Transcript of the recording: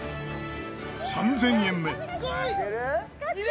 ３０００円目塚地：